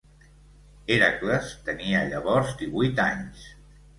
Hèracles tenia llavors divuit anys.